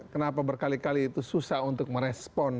kenapa berkali kali itu susah untuk merespon